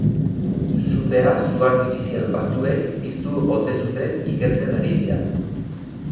Sutea su-artifizial batzuek piztu ote zuten ikertzen ari dira.